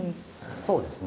そうですね。